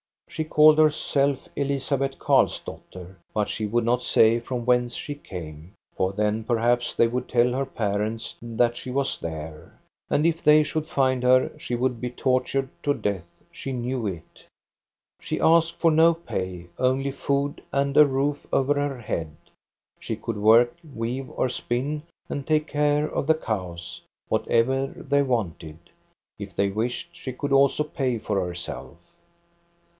She called herself Elizabeth Karlsdotter; but she would not say from whence she came, for then perhaps they would tell her parents that she was there,, and if they should find her, she would be tortured to death, she knew it. She asked for no pay, only food and a roof over her head. She could work, weave or spin, and take care of the cows, — whatever they wanted. If they wished, she could also pay for herself.